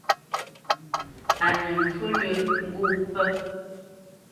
A nə ncú lə́ ŋgó mpfə́.